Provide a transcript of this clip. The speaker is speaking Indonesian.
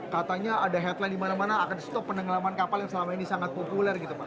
katanya ada headline di mana mana akan stop penenggelaman kapal yang selama ini sangat populer gitu pak